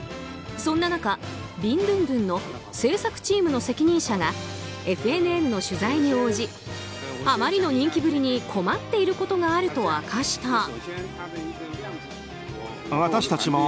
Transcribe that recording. そんな中、ビンドゥンドゥンの制作チームの責任者がＦＮＮの取材に応じあまりの人気ぶりに困っていることがあると明かした。